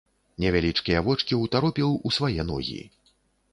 Невялічкія вочкі ўтаропіў у свае ногі.